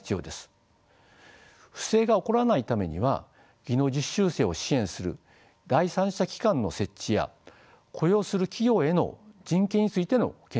不正が起こらないためには技能実習生を支援する第三者機関の設置や雇用する企業への人権についての研修も必要でしょう。